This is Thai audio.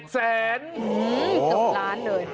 ๗แสน